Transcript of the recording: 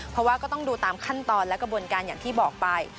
เพราะว่าก็ต้องดูตามขั้นตอนและกระบวนการอย่างที่บอกไป